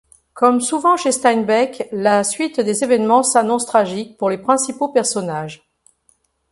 Comme souvent chez Steinbeck, la suite des événements s'annonce tragique pour les principaux personnages.